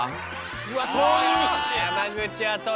うわ遠っ！